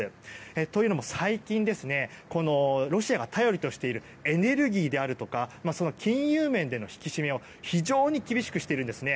というのも最近、ロシアが頼りとしているエネルギーだとか金融面での引き締めを非常に厳しくしているんですね。